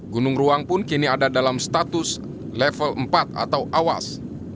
gunung ruang pun kini ada dalam status level empat atau awas